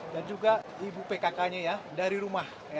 dan juga ibu pkk nya ya dari rumah